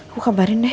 gue kabarin deh